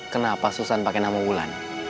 kenapa susan pakai nama wulan